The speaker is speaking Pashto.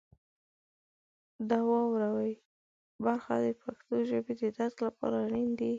د واورئ برخه د پښتو ژبې د درک لپاره اړین دی.